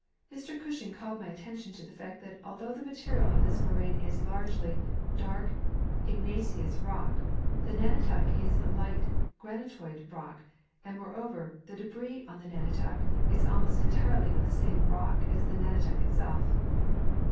Mr Cnshing called my attention to the fact that although the material of this moraine is largely dark igneous rock, the nunatak is a light granitoid rock ; and, moreover, the debris on the nunatak is almost entirely of the same rock as the nunatak itself.